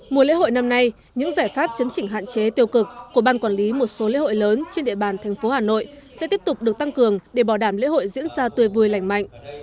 mùa lễ hội năm nay những giải pháp chấn chỉnh hạn chế tiêu cực của ban quản lý một số lễ hội lớn trên địa bàn thành phố hà nội sẽ tiếp tục được tăng cường để bảo đảm lễ hội diễn ra tươi vui lành mạnh